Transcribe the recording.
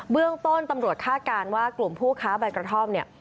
เรื่องต้นตำรวจคาดการณ์ว่ากลุ่มผู้ค้าใบกระท่อมเนี่ย